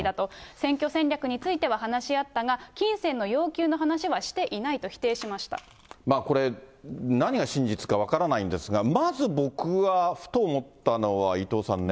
選挙戦略については話し合ったが、金銭の要求の話はしていないと否これ、何が真実か分からないんですが、まず、僕はふと思ったのは、伊藤さんね、